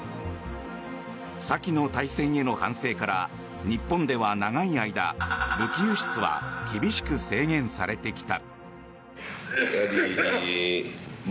先の大戦への反省から日本では長い間武器輸出は厳しく制限されてきた。